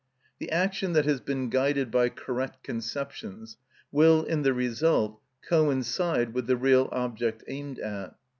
The action that has been guided by correct conceptions will, in the result, coincide with the real object aimed at.